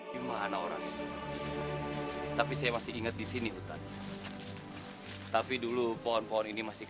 tidak ada yang bisa menguruskan kekuatan ini